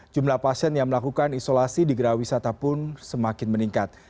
jumlah pasien yang melakukan isolasi di gerah wisata pun semakin meningkat